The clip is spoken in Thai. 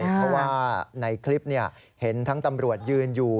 เพราะว่าในคลิปเห็นทั้งตำรวจยืนอยู่